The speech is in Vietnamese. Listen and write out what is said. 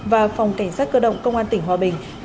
và phòng cảnh sát cơ động công an tỉnh hòa bình